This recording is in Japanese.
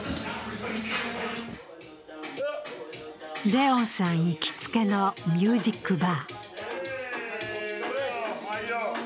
怜音さん行きつけのミュージックバー。